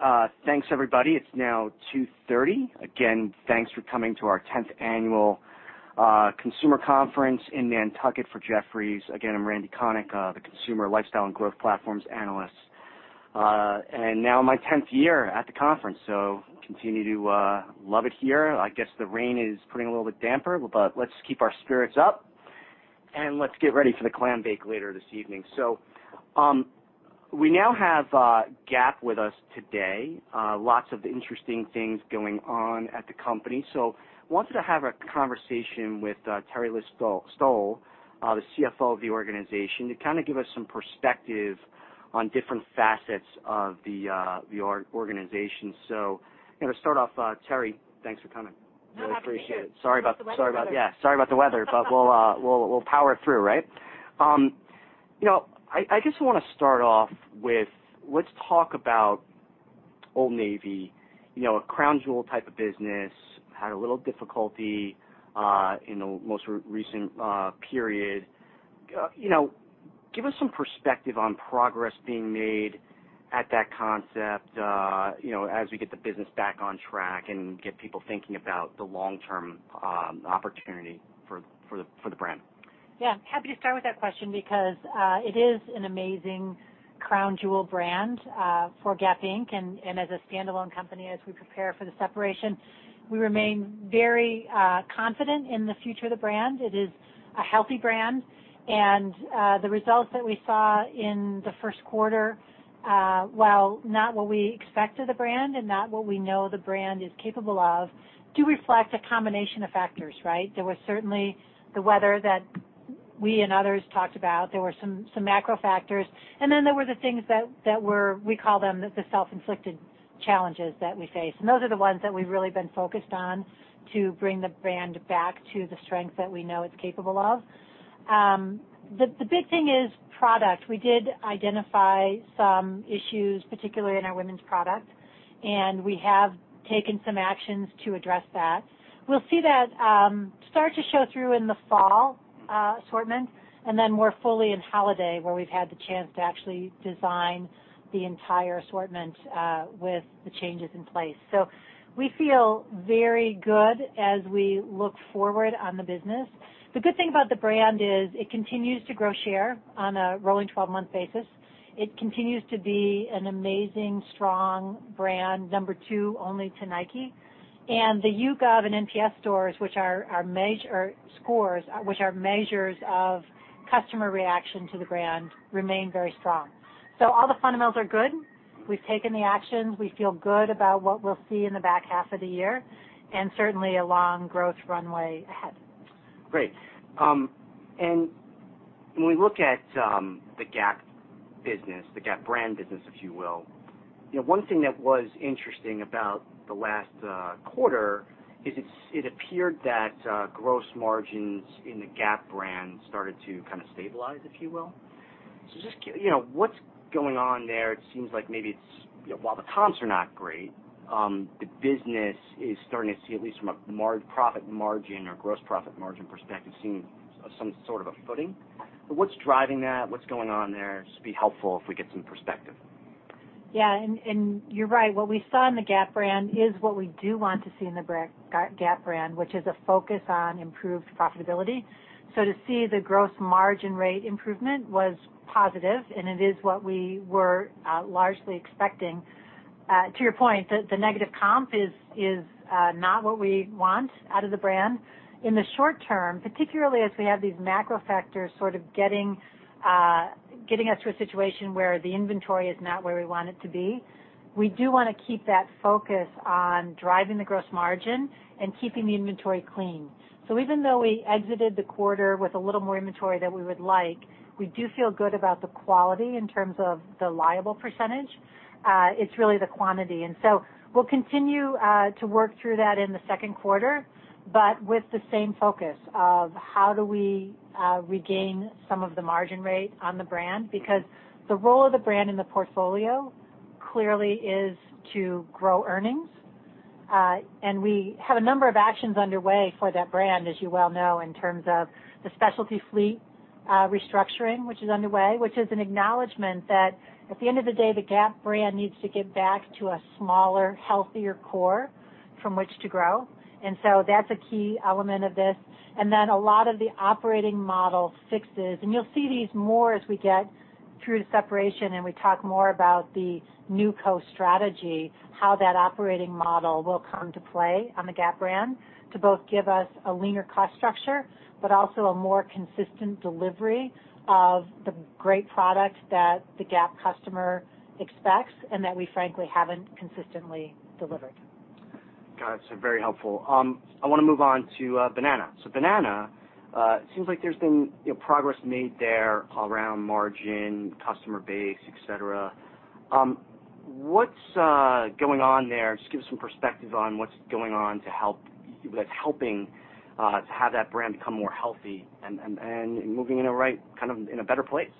All right. Thanks everybody. It's now 2:30. Again, thanks for coming to our 10th annual consumer conference in Nantucket for Jefferies. Again, I'm Randal Konik, the Consumer Lifestyle and Growth Platforms analyst. Now in my 10th year at the conference, continue to love it here. I guess the rain is putting a little bit damper, let's keep our spirits up, let's get ready for the clam bake later this evening. We now have Gap with us today. Lots of interesting things going on at the company. Wanted to have a conversation with Teri List-Stoll, the CFO of the organization, to give us some perspective on different facets of the organization. To start off, Teri, thanks for coming. No, happy to be here. I appreciate it. How about the weather? Yeah, sorry about the weather. We'll power through, right? I just want to start off with, let's talk about Old Navy, a crown jewel type of business. Had a little difficulty in the most recent period. Give us some perspective on progress being made at that concept, as we get the business back on track and get people thinking about the long-term opportunity for the brand. Yeah, happy to start with that question because it is an amazing crown jewel brand for Gap Inc. As a standalone company, as we prepare for the separation, we remain very confident in the future of the brand. It is a healthy brand, and the results that we saw in the first quarter, while not what we expect of the brand and not what we know the brand is capable of, do reflect a combination of factors, right? There was certainly the weather that we and others talked about. There were some macro factors. There were the things that we call them the self-inflicted challenges that we face. Those are the ones that we've really been focused on to bring the brand back to the strength that we know it's capable of. The big thing is product. We did identify some issues, particularly in our women's product, and we have taken some actions to address that. We'll see that start to show through in the fall assortment, and then more fully in holiday, where we've had the chance to actually design the entire assortment with the changes in place. We feel very good as we look forward on the business. The good thing about the brand is it continues to grow share on a rolling 12-month basis. It continues to be an amazing, strong brand, number 2 only to Nike. The YouGov and NPS scores, which are measures of customer reaction to the brand, remain very strong. All the fundamentals are good. We've taken the actions. We feel good about what we'll see in the back half of the year, and certainly a long growth runway ahead. Great. When we look at the Gap business, the Gap brand business if you will, one thing that was interesting about the last quarter is it appeared that gross margins in the Gap brand started to stabilize, if you will. Just what's going on there? It seems like maybe while the comps are not great, the business is starting to see, at least from a profit margin or gross profit margin perspective, seeing some sort of a footing. What's driving that, what's going on there? It'd just be helpful if we get some perspective. Yeah, and you're right. What we saw in the Gap brand is what we do want to see in the Gap brand, which is a focus on improved profitability. To see the gross margin rate improvement was positive, and it is what we were largely expecting. To your point, the negative comp is not what we want out of the brand. In the short term, particularly as we have these macro factors sort of getting us to a situation where the inventory is not where we want it to be. We do want to keep that focus on driving the gross margin and keeping the inventory clean. Even though we exited the quarter with a little more inventory than we would like, we do feel good about the quality in terms of the liability percentage. It's really the quantity. We'll continue to work through that in the second quarter, but with the same focus of how do we regain some of the margin rate on the brand, because the role of the brand in the portfolio clearly is to grow earnings. We have a number of actions underway for that brand, as you well know, in terms of the specialty fleet restructuring, which is underway. Which is an acknowledgment that at the end of the day, the Gap brand needs to get back to a smaller, healthier core from which to grow. That's a key element of this. A lot of the operating model fixes, and you'll see these more as we get through the separation and we talk more about the NewCo strategy, how that operating model will come to play on the Gap brand to both give us a leaner cost structure, but also a more consistent delivery of the great product that the Gap customer expects and that we frankly haven't consistently delivered. Got it. Very helpful. I want to move on to Banana. Banana, seems like there's been progress made there around margin, customer base, et cetera. What's going on there? Just give us some perspective on what's going on that's helping to have that brand become more healthy and moving in a better place.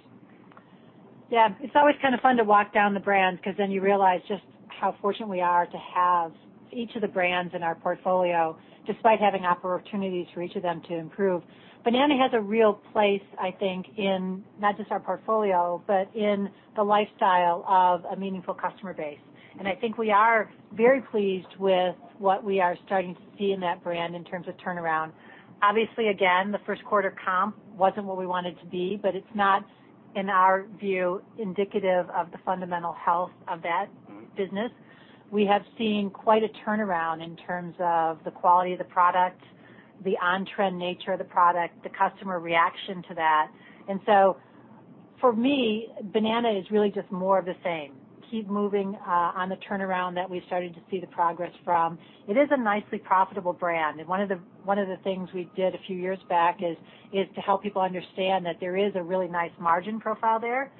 Yeah. It's always kind of fun to walk down the brands because then you realize just how fortunate we are to have each of the brands in our portfolio, despite having opportunities for each of them to improve. Banana has a real place, I think, in not just our portfolio, but in the lifestyle of a meaningful customer base. I think we are very pleased with what we are starting to see in that brand in terms of turnaround. Obviously, again, the first quarter comp wasn't what we wanted to be, but it's not, in our view, indicative of the fundamental health of that business. We have seen quite a turnaround in terms of the quality of the product, the on-trend nature of the product, the customer reaction to that. For me, Banana is really just more of the same. Keep moving on the turnaround that we've started to see the progress from. It is a nicely profitable brand. One of the things we did a few years back is to help people understand that there is a really nice margin profile there.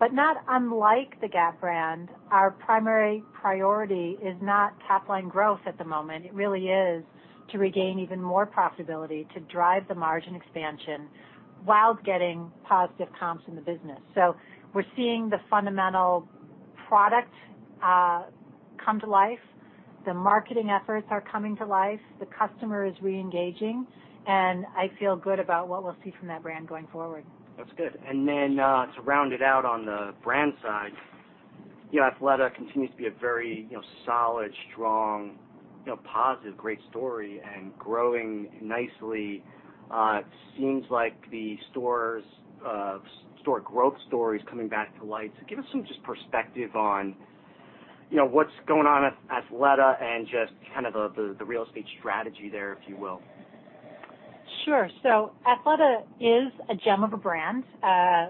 Yeah. Not unlike the Gap brand, our primary priority is not top-line growth at the moment. It really is to regain even more profitability, to drive the margin expansion while getting positive comps in the business. We're seeing the fundamental product come to life. The marketing efforts are coming to life. The customer is re-engaging, and I feel good about what we'll see from that brand going forward. That's good. To round it out on the brand side, Athleta continues to be a very solid, strong, positive, great story and growing nicely. It seems like the store growth story is coming back to light. Give us some just perspective on what's going on at Athleta and just the real estate strategy there, if you will. Sure. Athleta is a gem of a brand.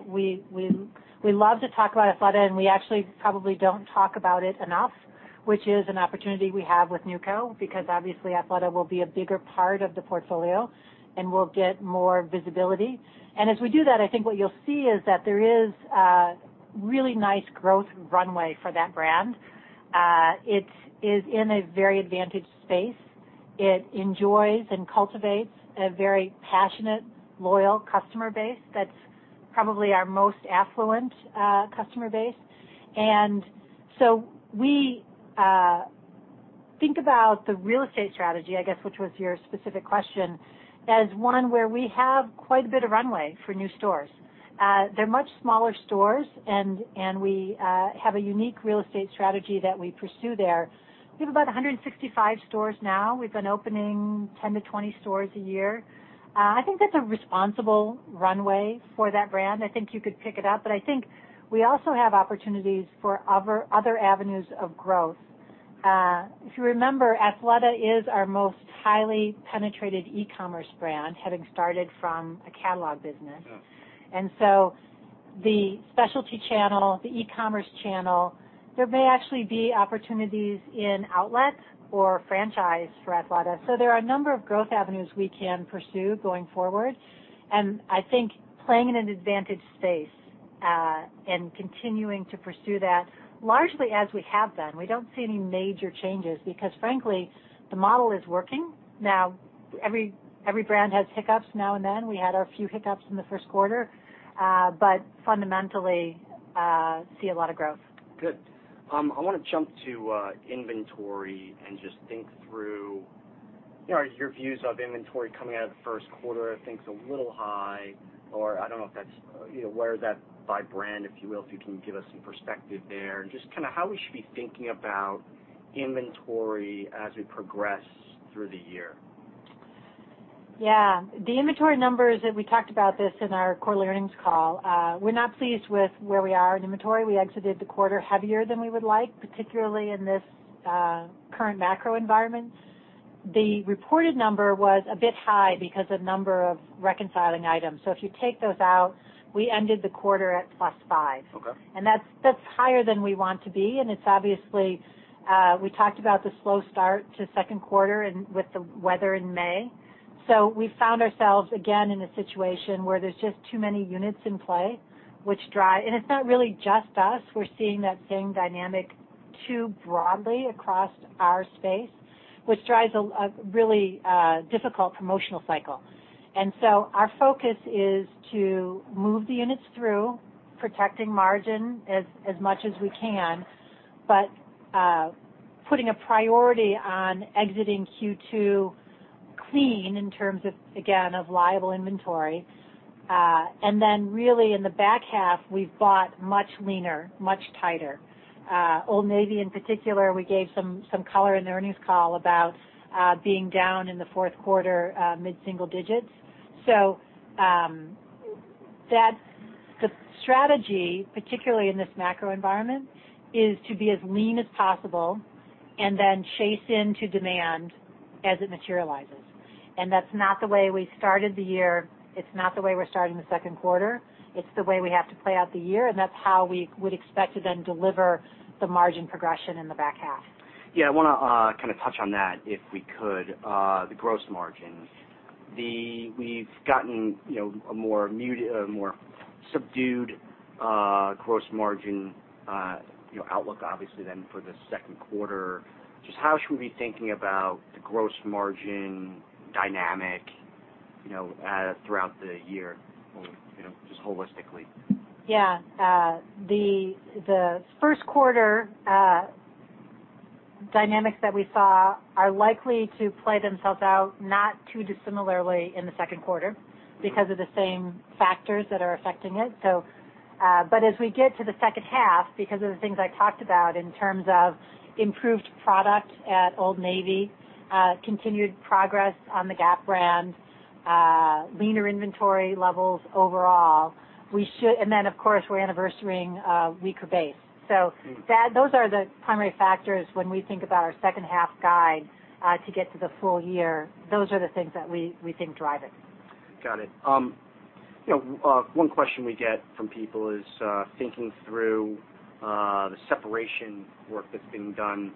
We love to talk about Athleta, and we actually probably don't talk about it enough, which is an opportunity we have with NewCo, because obviously Athleta will be a bigger part of the portfolio and will get more visibility. As we do that, I think what you'll see is that there is a really nice growth runway for that brand. It is in a very advantaged space. It enjoys and cultivates a very passionate, loyal customer base that's probably our most affluent customer base. We think about the real estate strategy, I guess, which was your specific question, as one where we have quite a bit of runway for new stores. They're much smaller stores, and we have a unique real estate strategy that we pursue there. We have about 165 stores now. We've been opening 10 to 20 stores a year. I think that's a responsible runway for that brand. I think you could pick it up, but I think we also have opportunities for other avenues of growth. If you remember, Athleta is our most highly penetrated e-commerce brand, having started from a catalog business. Yeah. The specialty channel, the e-commerce channel, there may actually be opportunities in outlets or franchise for Athleta. There are a number of growth avenues we can pursue going forward. I think playing in an advantaged space, and continuing to pursue that largely as we have been. We don't see any major changes because frankly, the model is working. Now, every brand has hiccups now and then. We had our few hiccups in the first quarter. Fundamentally, see a lot of growth. Good. I wanna jump to inventory and just think through your views of inventory coming out of the first quarter. I think it's a little high, or I don't know if that's where is that by brand, if you will, if you can give us some perspective there. Just how we should be thinking about inventory as we progress through the year. Yeah. The inventory numbers, we talked about this in our quarterly earnings call. We're not pleased with where we are in inventory. We exited the quarter heavier than we would like, particularly in this current macro environment. The reported number was a bit high because of number of reconciling items. If you take those out, we ended the quarter at plus five. Okay. That's higher than we want to be, and it's obviously. We talked about the slow start to second quarter and with the weather in May. We found ourselves again in a situation where there's just too many units in play. It's not really just us. We're seeing that same dynamic too broadly across our space, which drives a really difficult promotional cycle. Our focus is to move the units through, protecting margin as much as we can, but putting a priority on exiting Q2 clean in terms of, again, of liability inventory. Really in the back half, we've bought much leaner, much tighter. Old Navy in particular, we gave some color in the earnings call about being down in the fourth quarter mid-single digits. The strategy, particularly in this macro environment, is to be as lean as possible and then chase into demand as it materializes. That's not the way we started the year. It's not the way we're starting the second quarter. It's the way we have to play out the year, that's how we would expect to then deliver the margin progression in the back half. Yeah. I want to touch on that if we could, the gross margin. We've gotten a more subdued gross margin outlook, obviously then for the second quarter. Just how should we be thinking about the gross margin dynamic throughout the year just holistically. Yeah. The first quarter dynamics that we saw are likely to play themselves out not too dissimilarly in the second quarter because of the same factors that are affecting it. As we get to the second half, because of the things I talked about in terms of improved product at Old Navy, continued progress on the Gap brand, leaner inventory levels overall, and then, of course, we're anniversarying weaker base. Those are the primary factors when we think about our second half guide to get to the full year. Those are the things that we think drive it. Got it. One question we get from people is thinking through the separation work that's being done.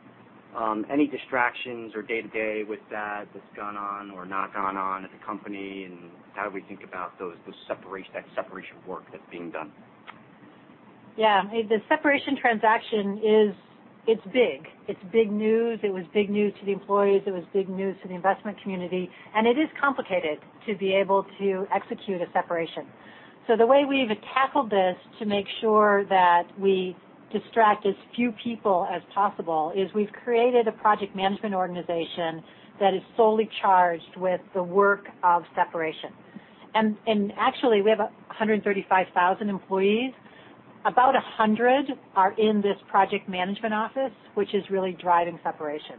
Any distractions or day-to-day with that that's gone on or not gone on at the company, and how do we think about that separation work that's being done? Yeah. The separation transaction is big. It's big news. It was big news to the employees, it was big news to the investment community, and it is complicated to be able to execute a separation. The way we've tackled this to make sure that we distract as few people as possible is we've created a project management organization that is solely charged with the work of separation. Actually, we have 135,000 employees. About 100 are in this project management office, which is really driving separation.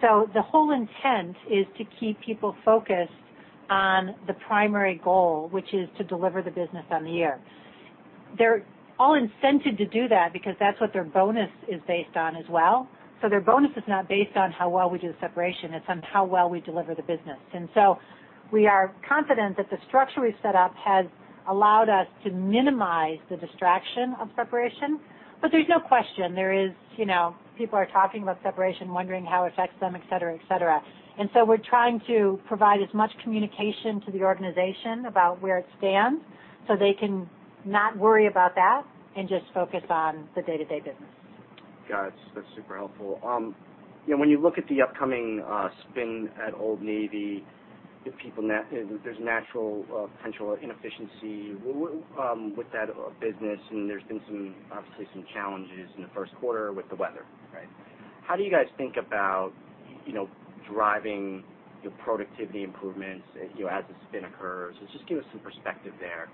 The whole intent is to keep people focused on the primary goal, which is to deliver the business on the year. They're all incented to do that because that's what their bonus is based on as well. Their bonus is not based on how well we do the separation. It's on how well we deliver the business. We are confident that the structure we've set up has allowed us to minimize the distraction of separation, there's no question. People are talking about separation, wondering how it affects them, et cetera. We're trying to provide as much communication to the organization about where it stands so they can not worry about that and just focus on the day-to-day business. Got it. That's super helpful. When you look at the upcoming spin at Old Navy, there's natural potential inefficiency with that business, and there's been, obviously, some challenges in the first quarter with the weather, right? How do you guys think about driving the productivity improvements as the spin occurs? Just give us some perspective there.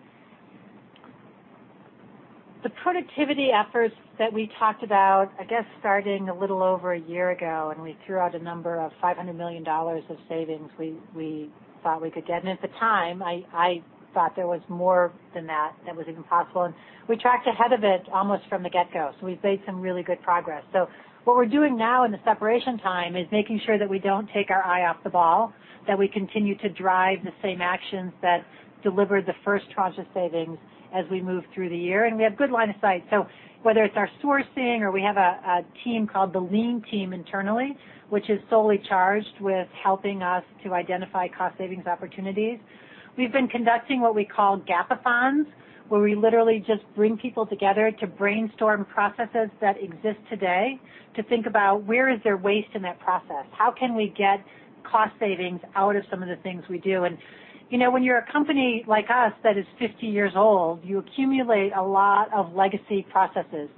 The productivity efforts that we talked about, I guess, starting a little over a year ago, we threw out a number of $500 million of savings we thought we could get. At the time, I thought there was more than that was even possible. We tracked ahead of it almost from the get-go, we've made some really good progress. What we're doing now in the separation time is making sure that we don't take our eye off the ball, that we continue to drive the same actions that delivered the first tranche of savings as we move through the year, and we have good line of sight. Whether it's our sourcing or we have a team called the lean team internally, which is solely charged with helping us to identify cost savings opportunities. We've been conducting what we call Gapathons, where we literally just bring people together to brainstorm processes that exist today to think about where is there waste in that process. How can we get cost savings out of some of the things we do? When you're a company like us that is 50 years old, you accumulate a lot of legacy processes.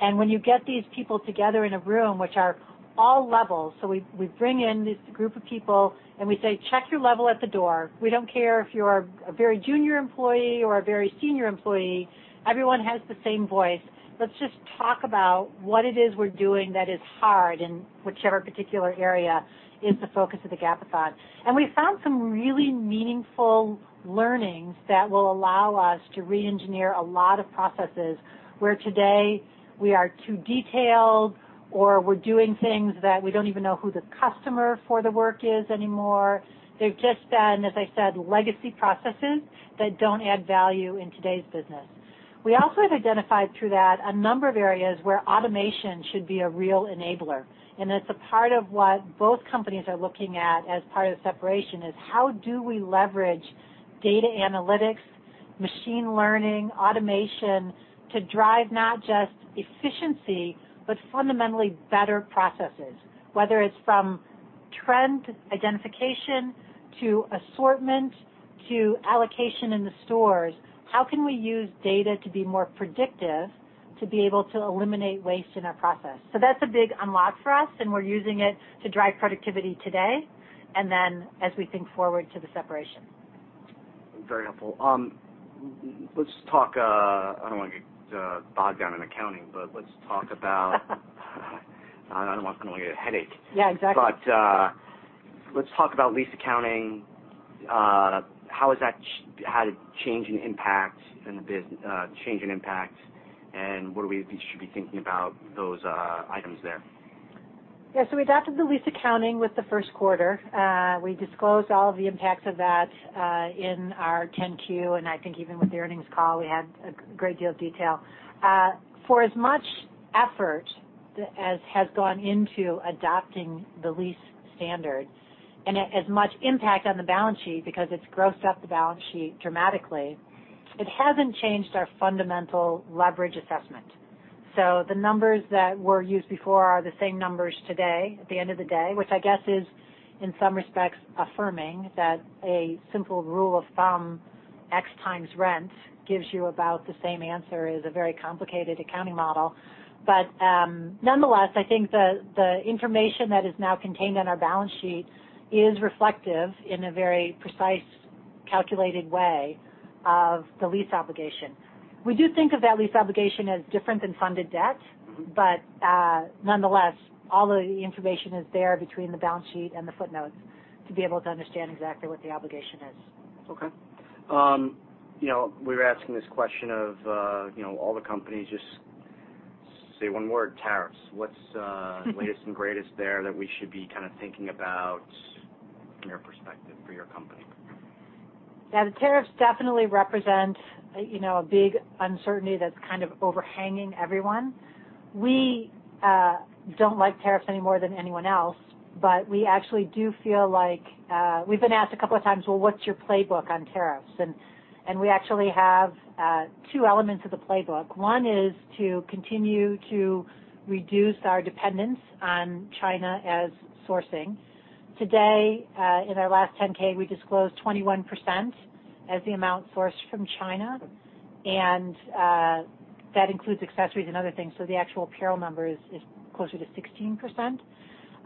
When you get these people together in a room, which are all levels, we bring in this group of people and we say, "Check your level at the door. We don't care if you're a very junior employee or a very senior employee. Everyone has the same voice. Let's just talk about what it is we're doing that is hard in whichever particular area is the focus of the Gapathon." We found some really meaningful learnings that will allow us to re-engineer a lot of processes, where today we are too detailed, or we're doing things that we don't even know who the customer for the work is anymore. They've just been, as I said, legacy processes that don't add value in today's business. We also have identified through that a number of areas where automation should be a real enabler, and it's a part of what both companies are looking at as part of the separation is how do we leverage data analytics, machine learning, automation to drive not just efficiency, but fundamentally better processes, whether it's from trend identification to assortment to allocation in the stores. How can we use data to be more predictive, to be able to eliminate waste in our process? That's a big unlock for us, we're using it to drive productivity today, then as we think forward to the separation. Very helpful. I don't want to get bogged down in accounting. I don't want anyone to get a headache. Yeah, exactly. Let's talk about lease accounting. How did change and impact, and what we should be thinking about those items there. We adopted the lease accounting with the first quarter. We disclosed all of the impacts of that in our 10-Q, and I think even with the earnings call, we had a great deal of detail. For as much effort as has gone into adopting the lease standard and as much impact on the balance sheet, because it's grossed up the balance sheet dramatically, it hasn't changed our fundamental leverage assessment. The numbers that were used before are the same numbers today at the end of the day, which I guess is, in some respects, affirming that a simple rule of thumb, X times rent, gives you about the same answer as a very complicated accounting model. Nonetheless, I think the information that is now contained on our balance sheet is reflective in a very precise, calculated way of the lease obligation. We do think of that lease obligation as different than funded debt, nonetheless, all the information is there between the balance sheet and the footnotes to be able to understand exactly what the obligation is. Okay. We were asking this question of all the companies, just say one word, tariffs. What's the latest and greatest there that we should be thinking about from your perspective for your company? The tariffs definitely represent a big uncertainty that's kind of overhanging everyone. We don't like tariffs any more than anyone else, we actually do feel like We've been asked a couple of times, "Well, what's your playbook on tariffs?" We actually have two elements of the playbook. One is to continue to reduce our dependence on China as sourcing. Today, in our last 10-K, we disclosed 21% as the amount sourced from China, that includes accessories and other things. The actual apparel number is closer to 16%.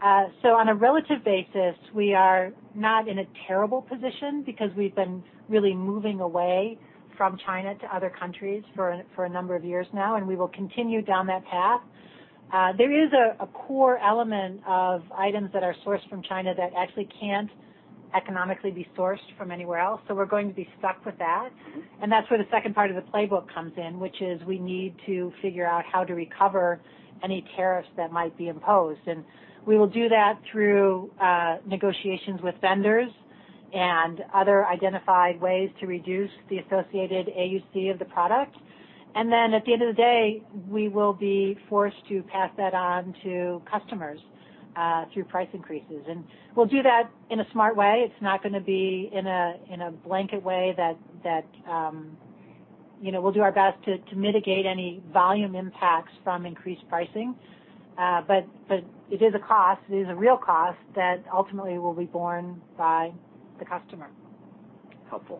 On a relative basis, we are not in a terrible position because we've been really moving away from China to other countries for a number of years now, we will continue down that path. There is a core element of items that are sourced from China that actually can't economically be sourced from anywhere else, so we're going to be stuck with that. That's where the second part of the playbook comes in, which is we need to figure out how to recover any tariffs that might be imposed. We will do that through negotiations with vendors and other identified ways to reduce the associated AUC of the product. At the end of the day, we will be forced to pass that on to customers through price increases. We'll do that in a smart way. It's not gonna be in a blanket way. We'll do our best to mitigate any volume impacts from increased pricing. It is a cost. It is a real cost that ultimately will be borne by the customer. Helpful.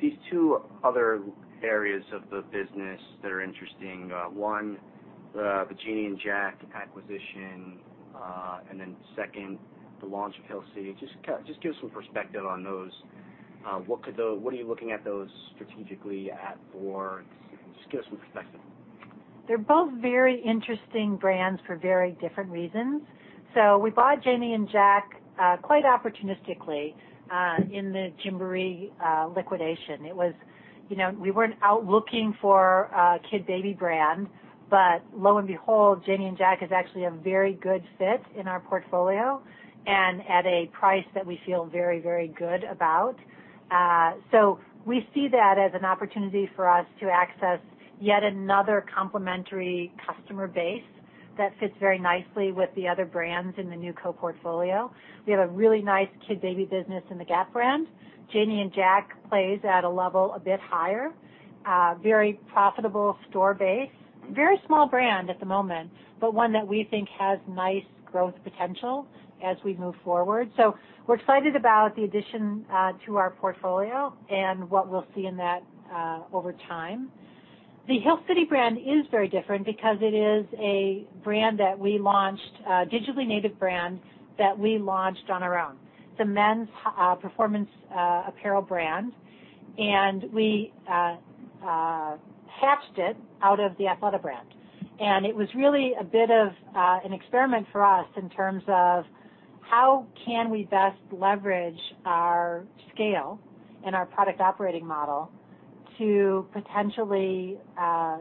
These two other areas of the business that are interesting, one, the Janie and Jack acquisition, then second, the launch of Hill City. Just give us some perspective on those. What are you looking at those strategically at for? Just give us some perspective. They're both very interesting brands for very different reasons. We bought Janie and Jack quite opportunistically in the Gymboree liquidation. We weren't out looking for a kid baby brand, but lo and behold, Janie and Jack is actually a very good fit in our portfolio and at a price that we feel very good about. We see that as an opportunity for us to access yet another complementary customer base that fits very nicely with the other brands in the NewCo portfolio. We have a really nice kid baby business in the Gap brand. Janie and Jack plays at a level a bit higher. Very profitable store base. Very small brand at the moment, but one that we think has nice growth potential as we move forward. We're excited about the addition to our portfolio and what we'll see in that over time. The Hill City brand is very different because it is a digitally native brand that we launched on our own. It's a men's performance apparel brand, and we hatched it out of the Athleta brand. It was really a bit of an experiment for us in terms of how can we best leverage our scale and our product operating model to potentially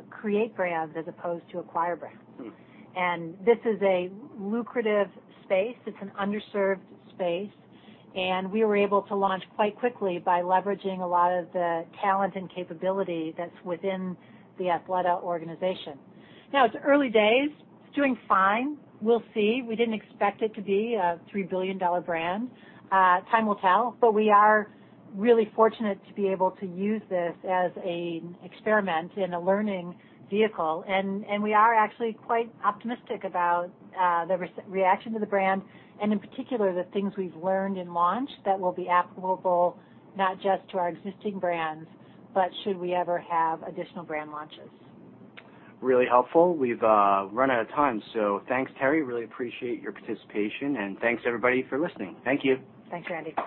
create brands as opposed to acquire brands. This is a lucrative space. It's an underserved space. We were able to launch quite quickly by leveraging a lot of the talent and capability that's within the Athleta organization. It's early days. It's doing fine. We'll see. We didn't expect it to be a $3 billion brand. Time will tell. We are really fortunate to be able to use this as an experiment and a learning vehicle. We are actually quite optimistic about the reaction to the brand, and in particular, the things we've learned in launch that will be applicable not just to our existing brands, but should we ever have additional brand launches. Really helpful. We've run out of time. Thanks, Teri. Really appreciate your participation. Thanks everybody for listening. Thank you. Thanks, Randal.